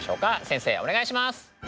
先生お願いします。